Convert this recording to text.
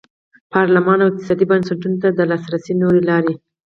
پارلمان او اقتصادي بنسټونو ته د لاسرسي نورې لارې.